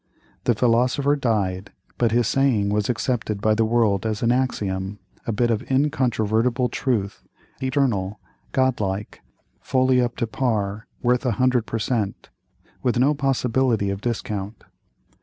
The philosopher died, but his saying was accepted by the world as an axiom—a bit of incontrovertible truth, eternal, Godlike, fully up to par, worth a hundred per cent., with no possibility of discount.